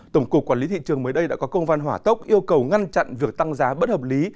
tổng cục quản lý thị trường mới đây đã có công văn hỏa tốc yêu cầu ngăn chặn việc tăng giá bất hợp lý